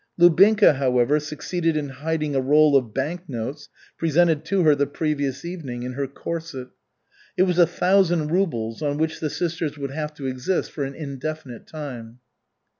Lubinka, however, succeeded in hiding a roll of bank notes, presented to her the previous evening, in her corset. It was a thousand rubles, on which the sisters would have to exist for an indefinite time.